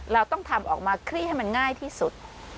เราต้องทำออกมาคลี่ให้มันง่ายที่สุด